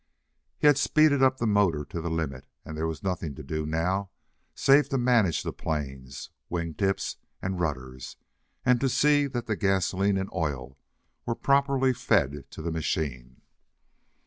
He had speeded up the motor to the limit, and there was nothing to do now, save to manage the planes, wing tips and rudders, and to see that the gasoline and oil were properly fed to the machine.